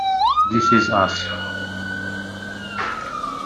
This Is Us